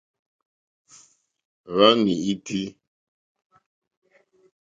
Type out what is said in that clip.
Wàní é tíí.